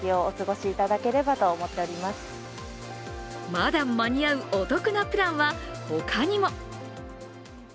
まだ間に合うお得なプランは他にも。